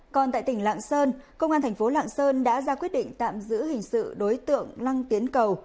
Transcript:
còn tại tỉnh lạng sơn công an thành phố lạng sơn đã ra quyết định tạm giữ hình sự đối tượng lăng tiến cầu